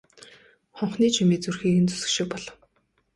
Хонхны чимээ зүрхийг нь зүсэх шиг болов.